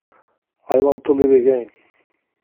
I want to live again.